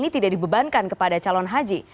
ini tidak dibebankan kepada calon haji